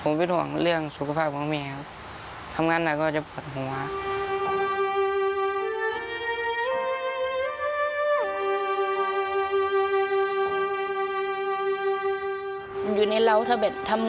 อยู่ในร้าวถ้าแบบทำเหนื่อยมากนะครับ